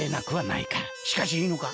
しかしいいのか？